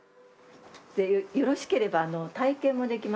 よろしければ体験もできます。